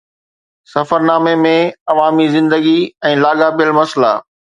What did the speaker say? سفرنامي ۾ عوامي زندگي ۽ لاڳاپيل مسئلا